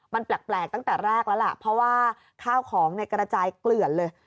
มันแปลกตั้งแต่แรกแล้วล่ะเพราะว่าข้าวของกระจายเกลื่อนเลย